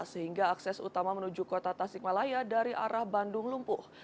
sehingga akses utama menuju kota tasikmalaya dari arah bandung lumpuh